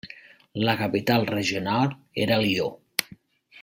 La capital regional era Lió.